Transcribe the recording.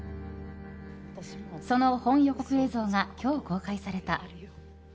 その本予告映像が今日公開された。